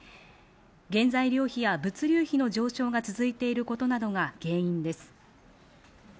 原材料費や物流費の上昇が続いていることなどが原因です。